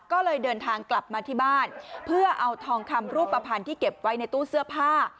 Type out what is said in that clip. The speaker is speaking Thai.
ก็เลยเดินทางกลับมาที่บ้านเพื่อเอาทองคำรูปภัณฑ์ที่เก็บไว้ในตู้เสื้อผ้า